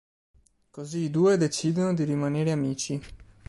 Così i due decidono di rimanere amici.